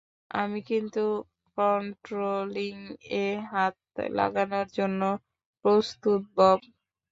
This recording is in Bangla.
আমি কিন্তু কন্ট্রোলিং-এ হাত লাগানোর জন্য প্রস্তুত, বব!